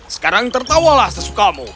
sekarang tertawalah sesukamu